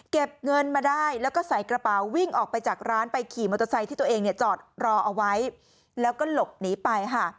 เก็บเงินมาได้แล้วก็ใส่กระเป๋าวิ่งออกไปจากร้านไปขี่มอเตอร์ไซค์ที่ตัวเองเนี่ยจอดรอเอาไว้แล้วก็หลบหนีไปค่ะ